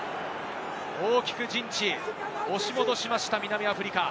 大きく陣地を押し戻しました、南アフリカ。